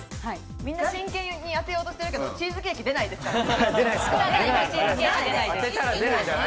みんな真剣に当てようとしてますけど、チーズケーキは出ないですからね。